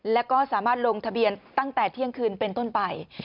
แล้วก็สามารถลงทะเบียนตั้งแต่เที่ยงคืนเป็นต้นไป